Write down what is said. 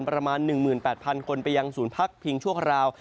ประมาณ๑๘๐๐คนไปยังศูนย์พักพิงชั่วคราว